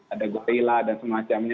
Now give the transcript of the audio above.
ada godzilla dan semacamnya